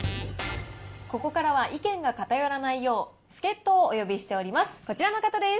ここからは意見が偏らないよう、助っ人をお呼びしております。